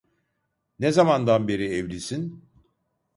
Ne zamandan beri evlisin?